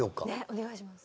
お願いします